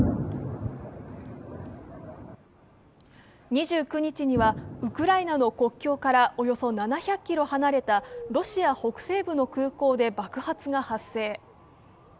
２９日にはウクライナの国境からおよそ７００ｋｍ離れたロシア北西部の空港で爆発が発生。